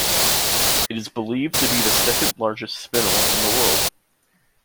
It is believed to be the second largest spinel in the world.